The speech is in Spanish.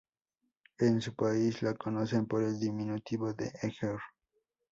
En su país la conocen por el diminutivo de "Eger".